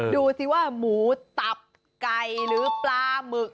ดูสิว่าหมูตับไก่หรือปลาหมึก